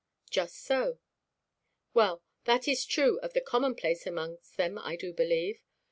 "Just so." "Well, that is true of the commonplace amongst them, I do believe.